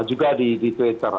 juga di twitter